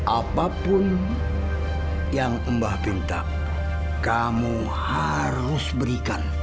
apapun yang mbah pintar kamu harus berikan